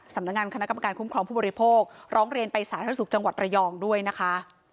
สำนักงานคณะกรรมการคุ้มครองผู้บริโภคร้องเรียนไปสาธารณสุขจังหวัดระยองด้วยนะคะ